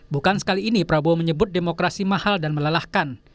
bukan sekali ini prabowo menyebut demokrasi mahal dan melelahkan